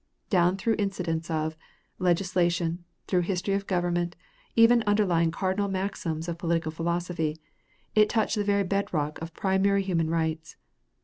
Down through incidents of, legislation, through history of government, even underlying cardinal maxims of political philosophy, it touched the very bedrock of primary human rights.